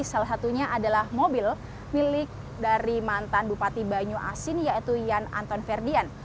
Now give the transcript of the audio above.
salah satunya adalah mobil milik dari mantan bupati banyuasin yan anton ferdian